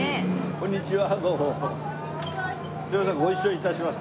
こんにちは。